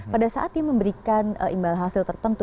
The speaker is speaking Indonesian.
pada saat dia memberikan imbal hasil tertentu